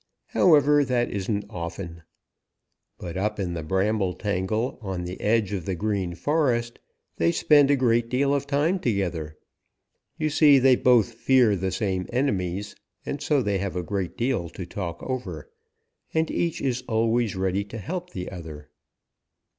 However, that isn't often. But up in the bramble tangle on the edge of the Green Forest they spend a great deal of time together. You see, they both fear the same enemies, and so they have a great deal to talk over, and each is always ready to help the other.